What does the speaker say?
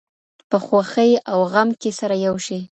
په خوښۍ او غم کې سره یو شئ.